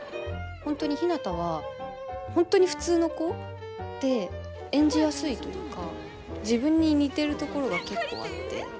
本当にひなたは本当に普通の子で演じやすいというか自分に似てるところが結構あって。